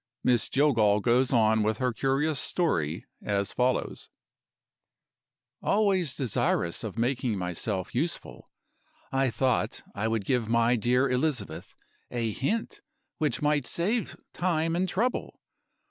Miss Jillgall goes on with her curious story, as follows: ....... "Always desirous of making myself useful, I thought I would give my dear Elizabeth a hint which might save time and trouble.